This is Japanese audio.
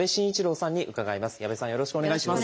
よろしくお願いします。